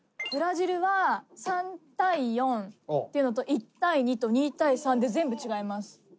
「ブラジルは３対４っていうのと１対２と２対３で全部違います」